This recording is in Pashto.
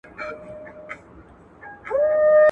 ما په دغه کمپیوټر کي د مننې یو پیغام ولیکلی.